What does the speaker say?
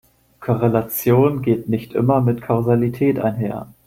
Korrelation geht nicht immer mit Kausalität einher.